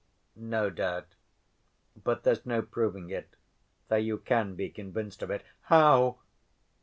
"No doubt. But there's no proving it, though you can be convinced of it." "How?"